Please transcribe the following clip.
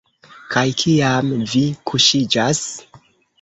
Kaj kiam vi kuŝiĝas?